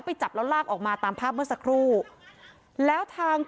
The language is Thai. ไม่ใช่ไม่ใช่ไม่ใช่